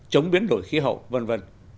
chống biến đổi khí hậu v v